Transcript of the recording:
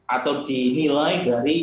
atau dinilai dari